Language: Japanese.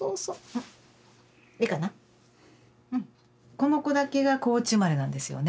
この子だけが高知生まれなんですよね